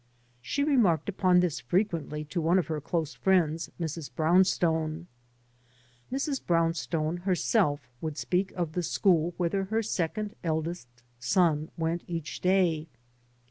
She remarked upon this fre quently to one of her close friends, Mrs. Brownstone. Mrs. Brownstone herself would speak of the school whither her second eldest son went each dsy.